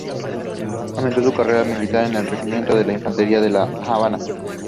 Comenzó su carrera militar en el Regimiento de Infantería de La Habana.